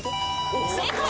正解。